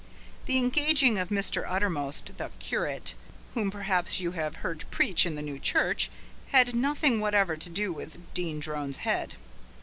The engaging of Mr. Uttermost, the curate, whom perhaps you have heard preach in the new church, had nothing whatever to do with Dean Drone's head.